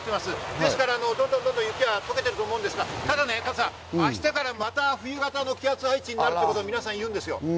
ですからどんどん雪は溶けていくと思うんですが、ただ明日からまた冬型の気圧配置になるということ、皆さん言うんですよ。